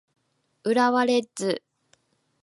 浦和レッズ